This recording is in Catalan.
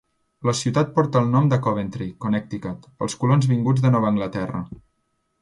La ciutat porta el nom de Coventry, Connecticut, pels colons vinguts de Nova Anglaterra.